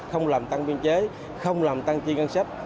không làm tăng biên chế không làm tăng chi ngân sách